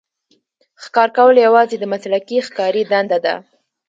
ښکار کول یوازې د مسلکي ښکاري دنده ده.